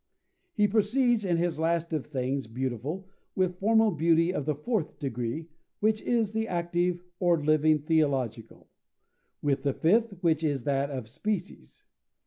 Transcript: He proceeds in his list of things beautiful, with formal beauty of the fourth degree, which is the active or living teleological, with the fifth, which is that of species.